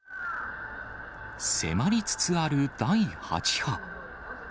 迫りつつある第８波。